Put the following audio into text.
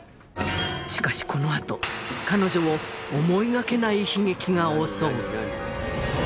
しかしこのあと彼女を思いがけない悲劇が襲う。